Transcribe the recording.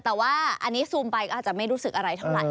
แต่ว่าอันนี้ซูมไปก็อาจจะไม่รู้สึกอะไรเท่าไหร